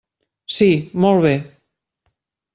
Sí, molt bé.